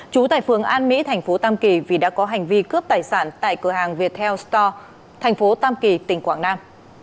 trú tại phường an mỹ thành phố tam kỳ vì đã có hành vi cướp tài sản tại cửa hàng viettel store thành phố tam kỳ tỉnh quảng nam